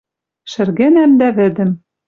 Шӹргӹнӓм дӓ вӹдӹм